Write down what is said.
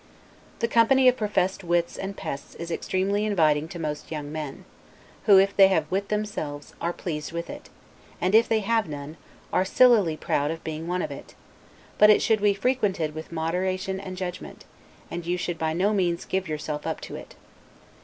The company of professed wits and pests is extremely inviting to most young men; who if they have wit themselves, are pleased with it, and if they have none, are sillily proud of being one of it: but it should be frequented with moderation and judgment, and you should by no means give yourself up to it.